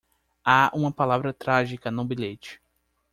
Há uma palavra trágica no bilhete.